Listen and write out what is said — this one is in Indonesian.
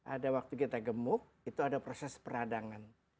ada waktu kita gemuk itu ada proses peradangan